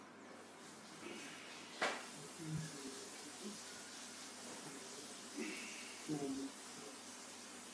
Keele has rapidly established a solid reputation for medicine.